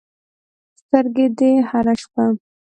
سترګې دې هره شپه